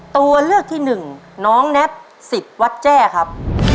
ตัวเลือกที่หนึ่งน้องแน็ตสิทธิ์วัดแจ้ครับ